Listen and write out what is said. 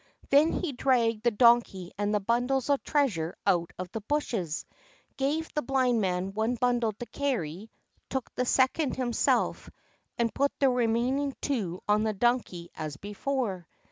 He then dragged the Donkey and the bundles of treasure out of the bushes, gave the Blind Man one bundle to carry, took the second himself, and put the remaining two on the Donkey, as before.